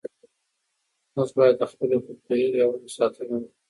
موږ باید د خپلو کلتوري ویاړونو ساتنه وکړو.